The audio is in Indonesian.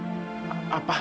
atas pertunangan kalian itu